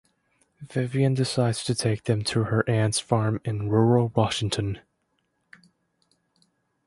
Vivian decides to take them to her aunt's farm in rural Washington.